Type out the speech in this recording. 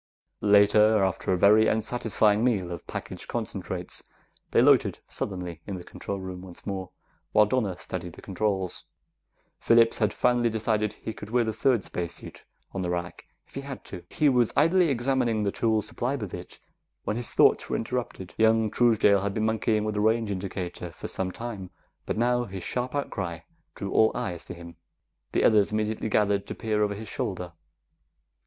Later, after a very unsatisfactory meal of packaged concentrates, they loitered sullenly in the control room once more while Donna studied the controls. Phillips had finally decided that he could wear the third spacesuit on the rack if he had to. He was idly examining the tools supplied with it when his thoughts were interrupted. Young Truesdale had been monkeying with a range indicator for some time, but now his sharp outcry drew all eyes to him. The others immediately gathered to peer over his shoulder.